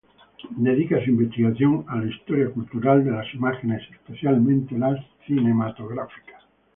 Dedica su investigación a la historia cultural de las imágenes, especialmente las cinematográficas.